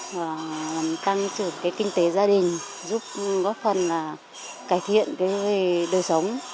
và tăng trưởng cái kinh tế gia đình giúp góp phần là cải thiện cái đời sống